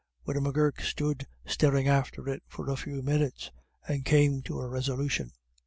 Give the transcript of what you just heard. Widow M'Gurk stood staring after it for a few minutes, and came to a resolution.